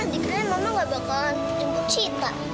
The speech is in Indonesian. dikirain mama gak bakalan jemput sita